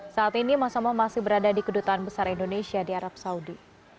saat ini mas amah masih berada di kedutaan besar indonesia di arab saudi